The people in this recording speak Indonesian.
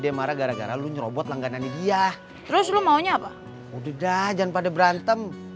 dia marah gara gara lu nyerobot langganannya dia terus lu maunya apa udah dah jangan pada berantem